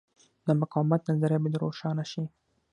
د مقاومت نظریه باید روښانه شي.